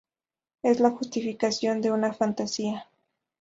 Es la justificación de una fantasía".